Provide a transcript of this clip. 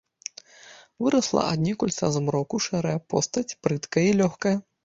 Вырасла аднекуль са змроку шэрая постаць, прыткая і лёгкая.